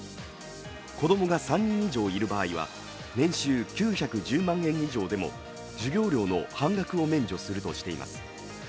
こどもが３人以上いる場合は年収９１０万円以上でも授業料の半額を免除するとしています。